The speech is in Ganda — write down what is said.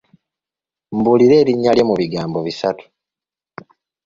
Mbuulira erinnya lye mu bigambo bisatu.